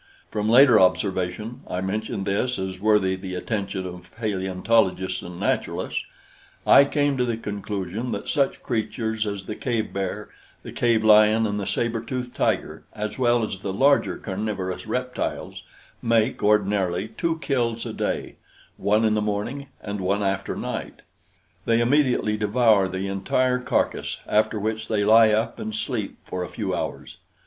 From later observation I mention this as worthy the attention of paleontologists and naturalists I came to the conclusion that such creatures as the cave bear, the cave lion and the saber tooth tiger, as well as the larger carnivorous reptiles make, ordinarily, two kills a day one in the morning and one after night. They immediately devour the entire carcass, after which they lie up and sleep for a few hours.